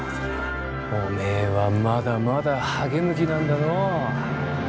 おめえはまだまだ励む気なんだのう。